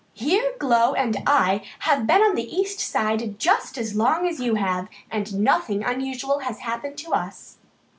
Here Glow and I have been on the East Side just as long as you have, and nothing unusual has happened to us."